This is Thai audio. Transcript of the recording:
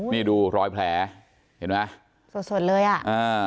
นี่ดูรอยแผลเห็นไหมสดสดเลยอ่ะอ่า